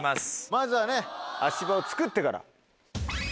まずはね足場をつくってから。